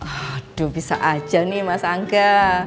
aduh bisa aja nih mas angga